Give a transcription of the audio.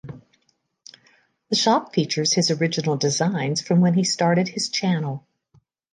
The shop features his original designs from when he started his channel.